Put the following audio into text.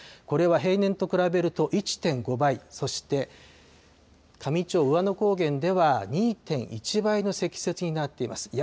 これは平年と比べると１．５倍、そして香美町兎和野高原では２．１倍の積雪になっています。